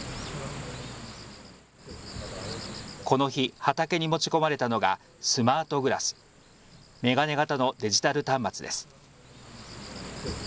この日、畑に持ち込まれたのがスマートグラス、メガネ型のデジタル端末です。